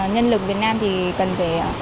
nhân lực việt nam thì cần phải